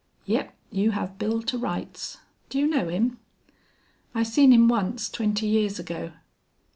"Yep, you have Bill to rights. Do you know him?" "I seen him once twenty years ago."